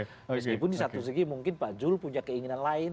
meskipun di satu segi mungkin pak jul punya keinginan lain